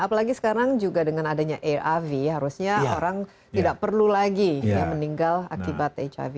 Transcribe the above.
apalagi sekarang juga dengan adanya aiv harusnya orang tidak perlu lagi meninggal akibat hiv